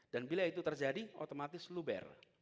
dan bila itu terjadi otomatis luber